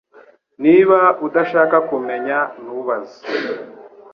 Niba udashaka kumenya ntubaze